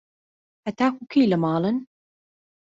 هەتاکوو کەی لە ماڵن؟